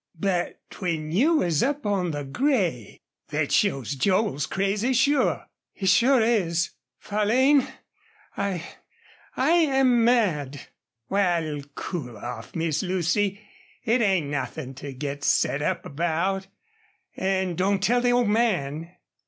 But when you was up on the gray thet shows Joel's crazy, sure." "He sure is. Farlane, I I am mad!" "Wal, cool off, Miss Lucy. It ain't nothin' to git set up about. An' don't tell the old man."